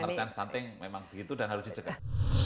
jadi pengertian stunting memang begitu dan harus dicegah